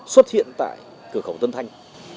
xuất hiện tại cửa khẩu tân thanh